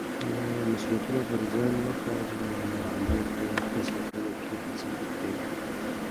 مسولیتونه پر ځان واخله او د عمل په ترسره کولو کې هڅه مه پریږده.